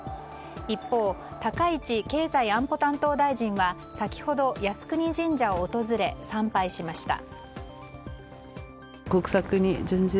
一方、高市経済安保担当大臣は先ほど、靖国神社を訪れ参拝しました。